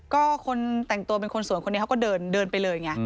ก็คนแต่งตัวเป็นคนสวยเขาก็เดินไปเลย